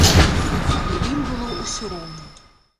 Але ім было ўсё роўна.